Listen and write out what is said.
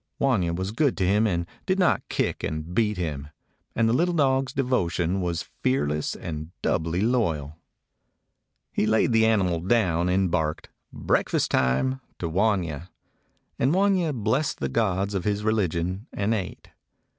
Wanya was good to him and did not kick and beat him, A KAFIR DOG and the little dog's devotion was fearless and doubly loyal. He laid the animal down, and barked, "Breakfast time!" to Wanya. And W anya blessed the gods of his religion, and ate.